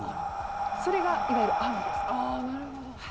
それが、いわゆる雨です。